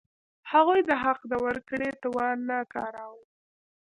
هغوی د حق د ورکړې توان نه کاراوه.